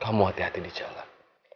kamu hati hati di jalan